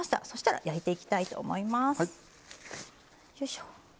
そしたら焼いていきたいと思います。